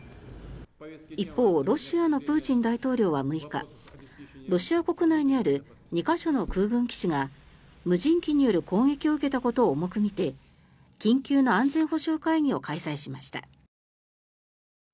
一方ロシアのプーチン大統領は６日ロシア国内にある２か所の空軍基地が無人機による攻撃を受けたことを重く見て緊急の安全保障会議を開催しました。